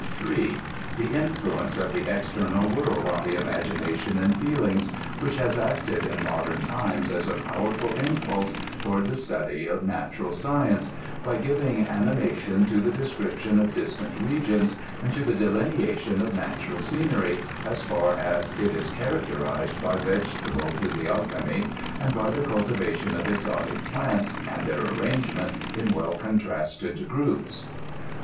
3. The influence of the external world on the imagination and feelings, which has acted in modem times as a powerful impulse toward the study of natural science, by giving anima tion to the description of distant regions and to the delineation of natural scenery, as far as it is characterized by vegetable physiqgnomy and by the cultivation of exotic plants, and their arrangement in well contrasted groups.